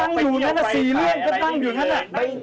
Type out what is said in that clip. นั่งอยู่นั่นสี่เรื่องก็นั่งอยู่นั่น